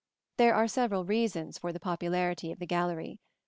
There are several reasons for the popularity of the gallery.